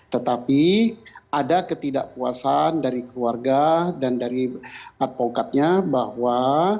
tetapi ada ketidakpuasan dari keluarga dan dari advokatnya bahwa